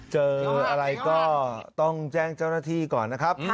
เจออะไรก็ต้องแจ้งเจ้าหน้าที่ก่อนนะครับ